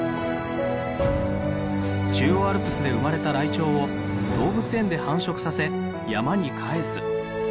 中央アルプスで生まれたライチョウを動物園で繁殖させ山に帰す。